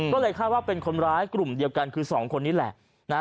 ก็เลยคาดว่าเป็นคนร้ายกลุ่มเดียวกันคือสองคนนี้แหละนะฮะ